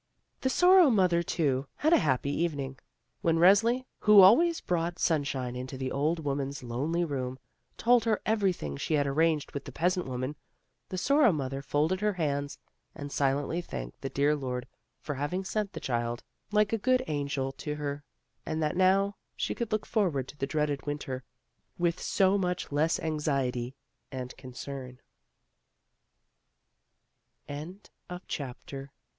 The Sorrow mother, too, had a happy evening. When Resli, who always brought simshine into the old woman's lonely room, told her everything A LITTLE HELPER 33 she had arranged with the peasant woman, the Sorrow mother folded her hands and silently thanked the dear Lord for having sent the child, like a good angel, to her, and that now she could look forward to the dreaded Winter with so much less anxiety and